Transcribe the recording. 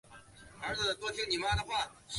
是日本的女性声优。